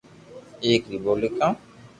ايڪ ري ٻولي ڪاو